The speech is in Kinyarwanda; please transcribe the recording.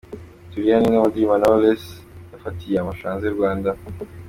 Tulia ni imwe mu ndirimbo Knowless yafatiye amashusho hanze y’u Rwanda.